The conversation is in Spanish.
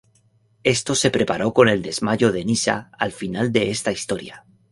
Esto se preparó con el desmayo de Nyssa al final de esta historia.